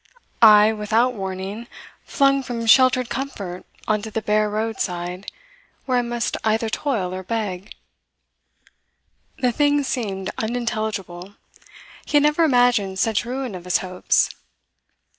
I, without warning, flung from sheltered comfort on to the bare road side, where I must either toil or beg?' The thing seemed unintelligible. He had never imagined such ruin of his hopes.